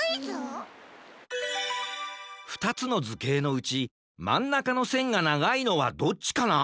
ふたつのずけいのうちまんなかのせんがながいのはどっちかな？